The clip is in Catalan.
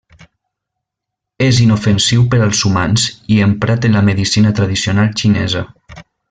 És inofensiu per als humans i emprat en la medicina tradicional xinesa.